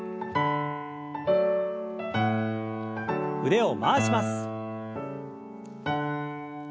腕を回します。